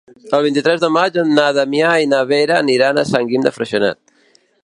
El vint-i-tres de maig na Damià i na Vera aniran a Sant Guim de Freixenet.